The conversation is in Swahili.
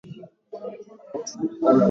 Dalili nyingine ni mifugo kupumua kwa shida